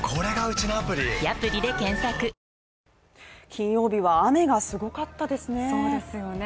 金曜日は雨がすごかったですね